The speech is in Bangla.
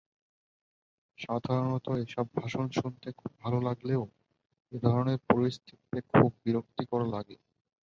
সাধারণত, এসব ভাষণ শুনতে ভালো লাগলেও এই ধরণের পরিস্থিতিতে খুব বিরক্তিকর লাগে।